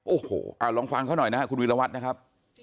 โอ้โหลองฟังเขาหน่อยนะครับคุณวิรวัตรนะครับ